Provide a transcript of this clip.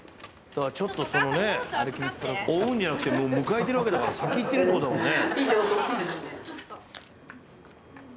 追うんじゃなくてもう迎えてるわけだから先行ってるってことだもんね。